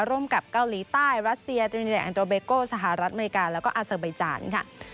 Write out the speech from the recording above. ร่วมกับเกาหลีใต้รัสเซียตรีแอนโดรเบโก้สหรัฐอเมริกาแล้วก็อาเซอร์ไบจานค่ะ